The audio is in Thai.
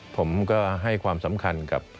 ผมก็ให้ความสำคัญกับ